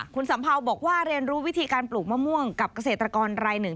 คุณสัมเภาบอกว่าเรียนรู้วิธีการปลูกมะม่วงกับเกษตรกรรายหนึ่ง